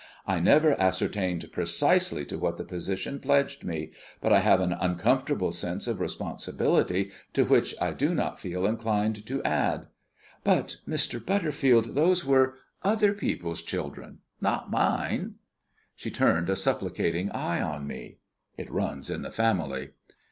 "I never ascertained precisely to what the position pledged me, but I have an uncomfortable sense of responsibility to which I do not feel inclined to add." "But, Mr. Butterfield, those were other people's children not mine." She turned a supplicating eye on me. It runs in the family.